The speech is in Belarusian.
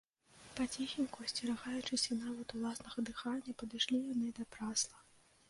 Паціхеньку, асцерагаючыся нават уласнага дыхання, падышлі яны да прасла.